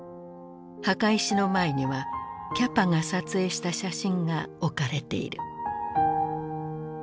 墓石の前にはキャパが撮影した写真が置かれている。